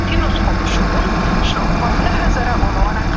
موږ بايد کره ارقامو ته پام وکړو.